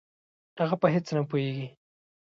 هغه په هېڅ نه پوهېږي.